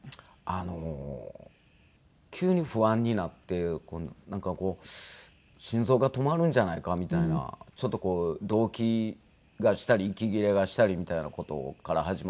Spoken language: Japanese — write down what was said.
あの急に不安になってなんかこう心臓が止まるんじゃないかみたいなちょっとこう動悸がしたり息切れがしたりみたいな事から始まって。